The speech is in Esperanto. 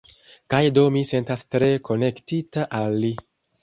Kaj do mi sentas tre konektita al li.